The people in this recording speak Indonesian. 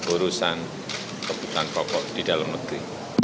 urusan kebutuhan pokok di dalam negeri